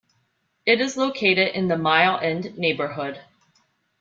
It is located in the Mile End neighbourhood.